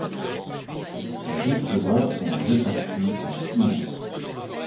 Les douze coureurs sont répartis dans six manches.